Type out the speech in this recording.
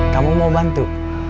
kamu mau bantu